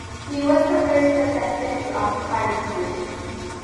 He was the first Protestant to occupy the position.